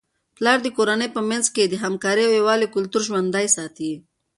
پلار د کورنی په منځ کي د همکارۍ او یووالي کلتور ژوندۍ ساتي.